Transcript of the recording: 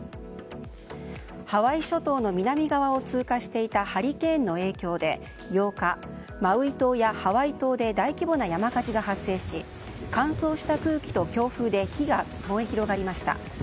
ハワイ諸島の南側を通過していたハリケーンの影響で８日、マウイ島やハワイ島で大規模な山火事が発生し乾燥した空気と強風で火が燃え広がりました。